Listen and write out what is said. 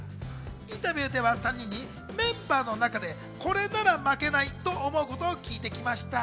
インタビューでは３人に、メンバーの中でこれなら負けないと思うことを聞いてきました。